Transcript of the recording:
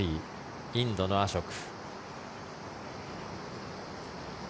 インドのアショク。